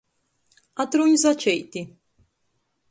Atrūņ začeiti!